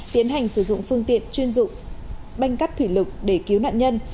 tiến hành sử dụng phương tiện chuyên dụng banh cắt thủy lực để cứu nạn nhân